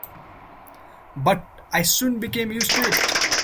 But I soon became used to it.